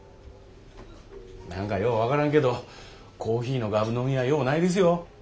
何かよう分からんけどコーヒーのガブ飲みはようないですよ。